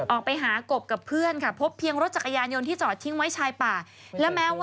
ออกไปหากบกับเพื่อนค่ะพบเพียงรถจักรยานยนต์ที่จอดทิ้งไว้ชายป่าและแม้ว่า